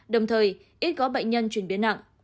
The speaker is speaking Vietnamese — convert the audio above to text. đồng thời ít có bệnh nhân chuyển biến nặng